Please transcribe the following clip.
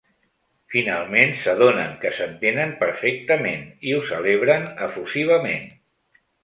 Finalment s’adonen que s’entenen perfectament i ho celebren efusivament.